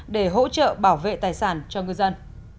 để hỗ trợ bảo vệ tài sản cho ngư dân